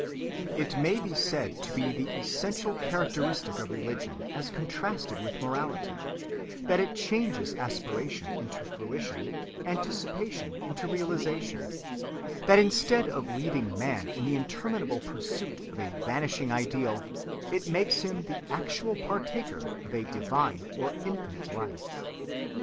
It may be said to be the essential characteristic of religion as contrasted with morality, that it changes aspiration into fruition, anticipation into realization; that instead of leaving man in the interminable pursuit of a vanishing ideal, it makes him the actual partaker of a divine or infinite life.